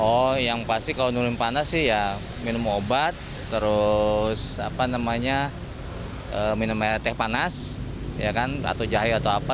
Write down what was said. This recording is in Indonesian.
oh yang pasti kalau minum panas sih ya minum obat terus minum teh panas atau jahe atau apa